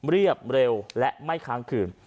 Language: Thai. เรียบเร็วและไม่ค้างคืน